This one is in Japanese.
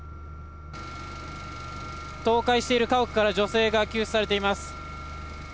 倒壊している家屋から女性が救出されています。